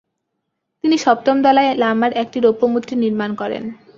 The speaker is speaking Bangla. তিনি সপ্তম দলাই লামার একটি রৌপ্যমূর্তি নির্মাণ করান।